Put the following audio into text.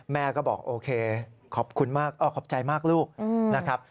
แม่ก็บอกโอเคขอบคุณมากขอบใจมากลูกนะครับ